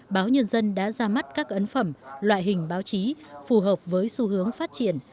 báo nhân dân đã ra mắt các ấn phẩm loại hình báo chí phù hợp với xu hướng phát triển